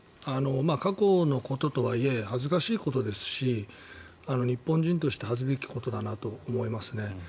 過去のことで恥ずかしいことですし日本人として恥ずべきことだなと思いますね。